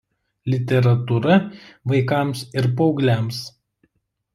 Literatūra vaikams ir paaugliams.